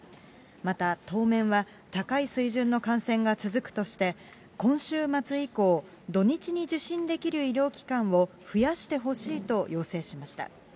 また当面は、高い水準の感染が続くとして、今週末以降、土日に受診できる医療機関を増やしてほしいと要請しました。